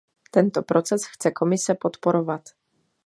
Tento proces chce Komise podporovat.